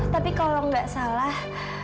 tapi kalau gak salah